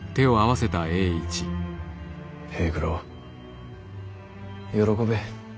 平九郎喜べ。